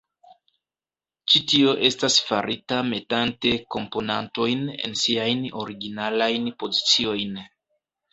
Ĉi tio estas farita metante komponantojn en siajn originalajn poziciojn.